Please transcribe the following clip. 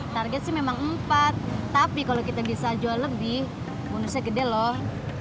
target sih memang empat tapi kalau kita bisa jual lebih bonusnya gede loh